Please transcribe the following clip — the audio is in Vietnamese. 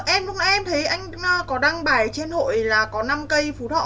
em lúc nãy em thấy anh có đăng bài trên hội là có năm cây phú thọ đấy ạ